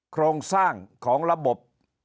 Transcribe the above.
โครงสร้างของระบบ